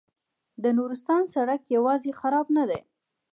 د نورستان سړک یوازې خراب نه دی.